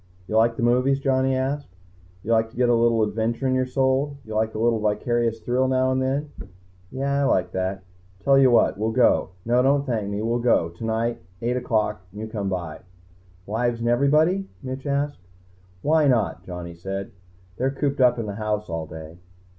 "You like the movies?" Johnny asked. "You like to get a little adventure in your soul? You like a little vicarious thrill now and then?" "Yeah, I like that." "Tell you what. We'll go. No, don't thank me. We'll go. Tonight. Eight o'clock, you come by." "Wives and everybody?" Mitch asked. "Why not?" Johnny said. "They're cooped up in the house all day."